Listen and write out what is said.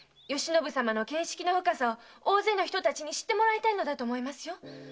嘉信様の見識の深さを大勢の人たちに知ってもらいたいのだと思いますよ。